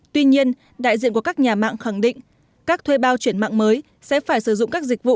tuy nhiên đại diện của các nhà mạng khẳng định các thuê bao chuyển mạng mới sẽ phải sử dụng các dịch vụ